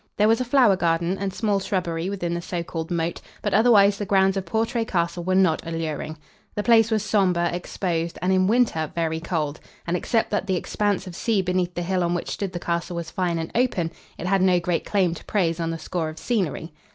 There was a flower garden and small shrubbery within the so called moat; but, otherwise, the grounds of Portray Castle were not alluring. The place was sombre, exposed, and, in winter, very cold; and, except that the expanse of sea beneath the hill on which stood the castle was fine and open, it had no great claim to praise on the score of scenery.